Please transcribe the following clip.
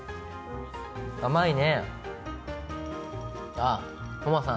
甘いね。